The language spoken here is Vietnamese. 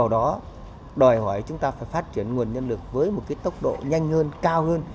đó đòi hỏi chúng ta phải phát triển nguồn nhân lực với một tốc độ nhanh hơn cao hơn